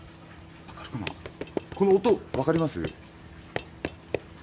この音、分かります？